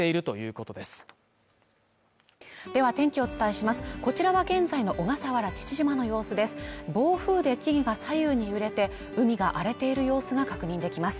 こちらは現在の小笠原父島の様子です